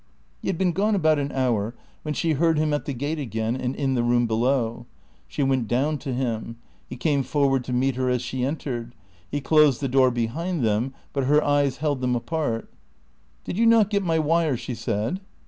He had been gone about an hour when she heard him at the gate again and in the room below. She went down to him. He came forward to meet her as she entered; he closed the door behind them; but her eyes held them apart. "Did you not get my wire?" she said.